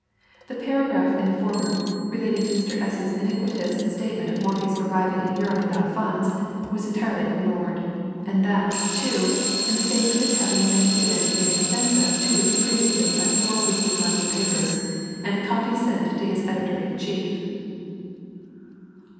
The paragraph in the former, relating to Mr. S.'s iniquitous statement of Morphy's arriving in Europe without funds, was entirely ignored, and that, too, in the face of its having been given in extenso two weeks previously by four weekly London papers, and a copy sent to his editor in chief.